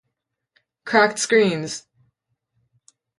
Cracked screens!